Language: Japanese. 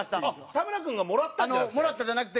田村君がもらったんじゃなくて？